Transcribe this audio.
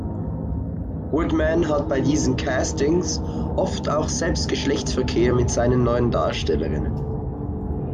Woodman hat bei diesen Castings oft auch selbst Geschlechtsverkehr mit seinen neuen Darstellerinnen.